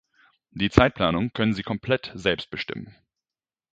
Die Zeitplanung können sie komplett selbst bestimmen.